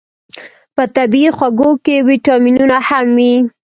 په طبیعي خوږو کې ویتامینونه هم وي.